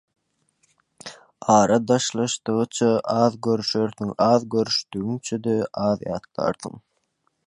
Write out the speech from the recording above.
Ara daşlaşdygyça az görüşersiň, az görüşdigiňçe-de az ýatlarsyň.